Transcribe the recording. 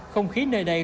không khí nơi đây